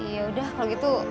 ya udah kalau gitu